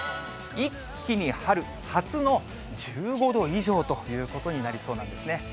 一気に春、初の１５度以上ということになりそうなんですね。